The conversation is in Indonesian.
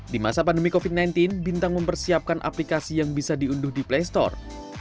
di masa pandemi covid sembilan belas bintang mempersiapkan aplikasi yang bisa diunduh di play store